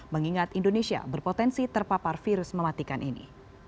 mengingat indonesia berpotensi terpapar virus mematikan ini